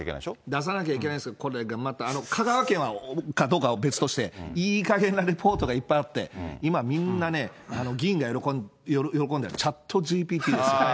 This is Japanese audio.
出さなきゃいけないですけど、これがまた、香川県はどうか別として、いいかげんなレポートがいっぱいあって、今、みんなね、議員が喜んでるのは、チャットＧＰＴですよ。